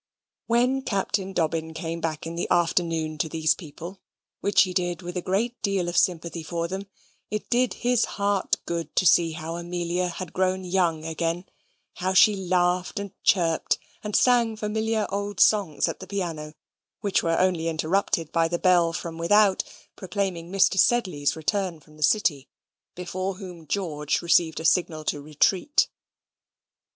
When Captain Dobbin came back in the afternoon to these people which he did with a great deal of sympathy for them it did his heart good to see how Amelia had grown young again how she laughed, and chirped, and sang familiar old songs at the piano, which were only interrupted by the bell from without proclaiming Mr. Sedley's return from the City, before whom George received a signal to retreat.